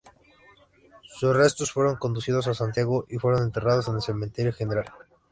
Sus restos fueron conducidos a Santiago, y fueron enterrados en el Cementerio General.